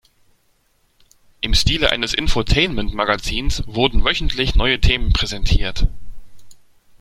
Im Stile eines Infotainment-Magazins wurden wöchentlich neue Themen präsentiert.